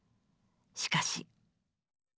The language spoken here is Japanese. しかし。